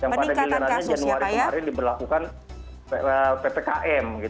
yang pada jenis januari kemarin diperlakukan ppkm